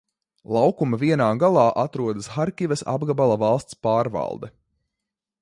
Laukuma vienā galā atrodas Harkivas apgabala valsts pārvalde.